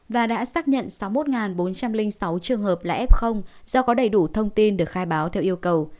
và đã xác nhận sáu mươi một bốn trăm linh sáu trường hợp là f do có đầy đủ thông tin được khai báo theo yêu cầu